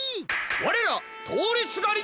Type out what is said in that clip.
われらとおりすがりの。